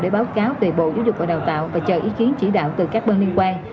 để báo cáo về bộ giáo dục và đào tạo và chờ ý kiến chỉ đạo từ các bên liên quan